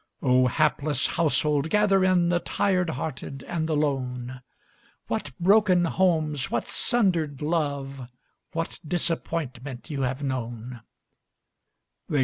Oh, hapless household, gather in The tired hearted and the lone! What broken homes, what sundered love, What disappointment you have known!